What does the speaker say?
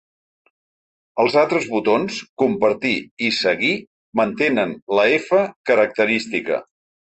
Els altres botons, ‘Compartir’ i ‘Seguir’, mantenen la ‘f’ característica.